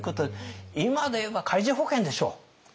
今でいえば海上保険でしょう。